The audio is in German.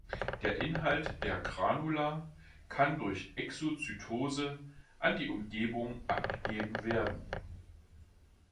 Der Inhalt der Granula kann durch Exozytose an die Umgebung abgegeben werden.